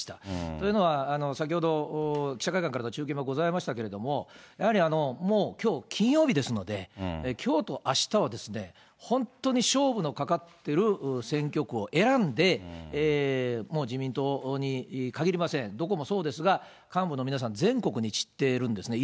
というのは、先ほど、記者会館からの中継もございましたけれども、やはりもうきょう、金曜日ですので、きょうとあしたは本当に勝負のかかってる選挙区を選んで、もう自民党にかぎりません、どこもそうですが、幹部の皆さん、全国に散っているんですね。